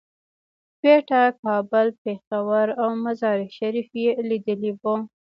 کوټه، کابل، پېښور او مزار شریف یې لیدلي وو.